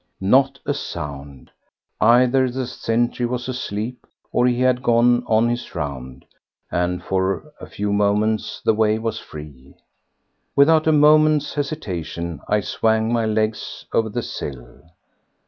Not a sound! Either the sentry was asleep, or he had gone on his round, and for a few moments the way was free. Without a moment's hesitation I swung my leg over the sill.